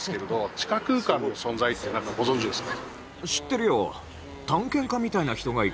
地下空間の存在って何かご存じですか？